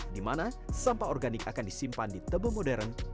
dimana sampah organik akan disimpan di tebel modern